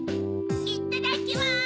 いただきます！